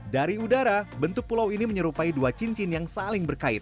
dari udara bentuk pulau ini menyerupai dua cincin yang saling berkait